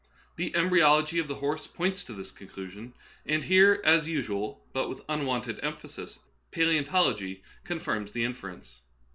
The embryology of the horse points to this conclusion, and here, as usual, but with unwonted emphasis, palseontology con firms the inference.